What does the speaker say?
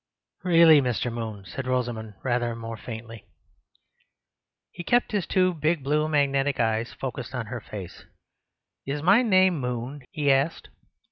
"Really, Mr. Moon..." said Rosamund, rather more faintly. He kept two big blue magnetic eyes fixed on her face. "Is my name Moon?" he asked.